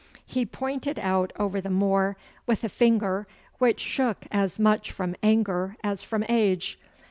He pointed out over the moor with a finger which shook as much from anger as from age.